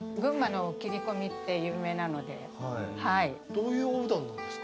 どういうおうどんなんですか？